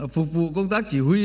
phục vụ công tác chỉ huy